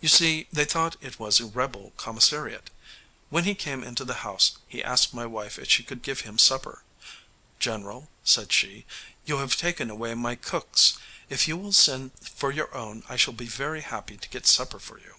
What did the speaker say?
You see, they thought it was a rebel commissariat. When he came into the house he asked my wife if she could give him supper. 'General,' said she, 'you have taken away my cooks: if you will send for your own, I shall be very happy to get supper for you.'